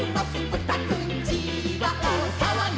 ブタくんちはおおさわぎ！」